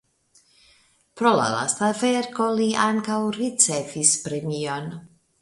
Pro la lasta verko li ankaŭ ricevis premion.